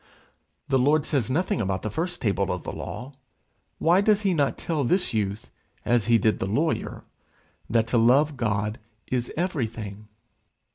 The Lord says nothing about the first table of the law: why does he not tell this youth as he did the lawyer, that to love God is everything?